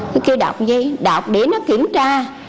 cứ kêu đọc gì đọc để nó kiểm tra